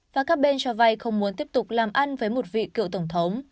và các bên cho vay không muốn tiếp tục làm ăn với một vị cựu tổng thống